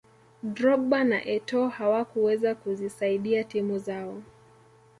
drogba na etoo hawakuweza kuzisaidia timu zao